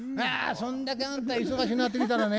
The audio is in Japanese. そんだけあんた忙しなってきたらね